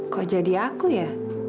kok jadi aku ya